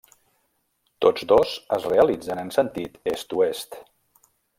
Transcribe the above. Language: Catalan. Tots dos es realitzen en sentit Est-Oest.